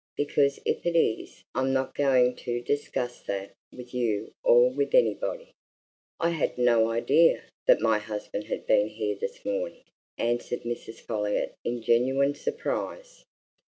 Because if it is, I'm not going to discuss that with you or with anybody!" "I had no idea that my husband had been here this morning," answered Mrs. Folliot in genuine surprise.